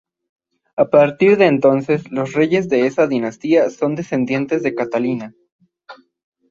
A partir de entonces los reyes de esa dinastía son descendientes de Catalina.